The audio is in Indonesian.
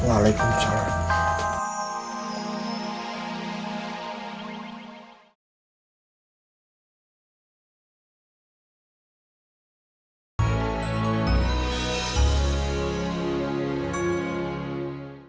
assalamualaikum warahmatullahi wabarakatuh